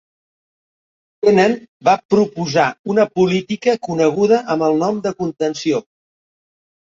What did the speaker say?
Kennan va proposar una política coneguda amb el nom de "contenció".